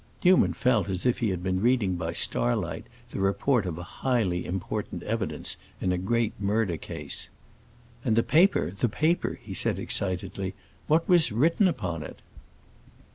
Newman felt as if he had been reading by starlight the report of highly important evidence in a great murder case. "And the paper—the paper!" he said, excitedly. "What was written upon it?"